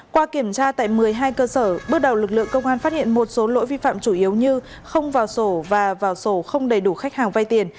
qua kiểm tra tại một mươi hai cơ sở bước đầu lực lượng công an phát hiện một số lỗi vi phạm chủ yếu như không vào sổ và vào sổ không đầy đủ khách hàng vay tiền